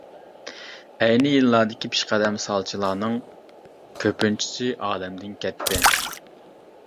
ئەينى يىللاردىكى پېشقەدەم سالچىلارنىڭ كۆپىنچىسى ئالەمدىن كەتتى.